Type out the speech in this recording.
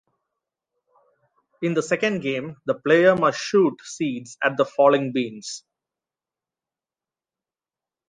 In the second game, the player must shoot seeds at the falling beans.